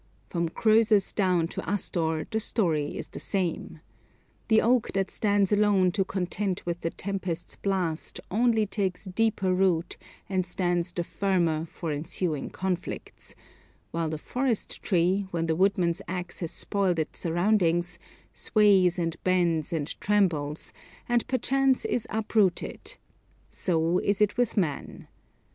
From Croesus down to Astor the story is the same. The oak that stands alone to contend with the tempest's blast only takes deeper root and stands the firmer for ensuing conflicts; while the forest tree, when the woodman's axe has spoiled its surroundings, sways and bends and trembles, and perchance is uprooted: so is it with man.